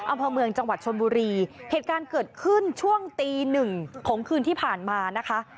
อำเภอเมืองจังหวัดชนบุรีเหตุการณ์เกิดขึ้นช่วงตีหนึ่งของคืนที่ผ่านมานะคะ